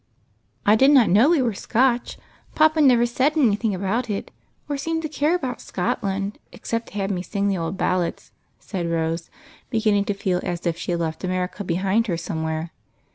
" I did not know we were Scotch ; papa never said any thing about it, or seemed to care about Scotland, except to have me sing the old ballads," said Rose, be ginning to feel as if she had left America behind her somewhere.